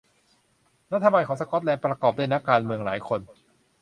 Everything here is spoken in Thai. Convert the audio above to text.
รัฐบาลของสกอตแลนด์ประกอบด้วยนักการเมืองหลายคน